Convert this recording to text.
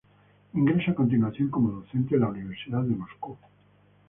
Ingresa a continuación como docente en la Universidad de Moscú.